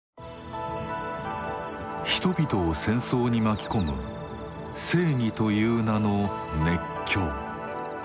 人々を戦争に巻き込む正義という名の「熱狂」。